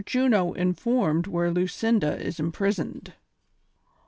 JUNO INFORMED AVHERE LUCINDA IS IMPRISONED.